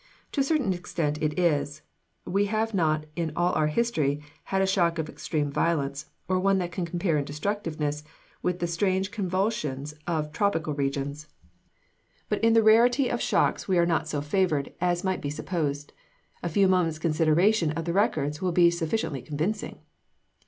To a certain extent it is; we have not in all our history, had a shock of extreme violence, or one that can compare in destructiveness with the strange convulsions of tropical regions: but in the rarity of shocks we are not so favored as might be supposed. A few moments consideration of the records will be sufficiently convincing.